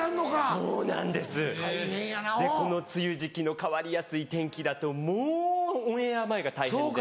この梅雨時期の変わりやすい天気だともうオンエア前が大変で。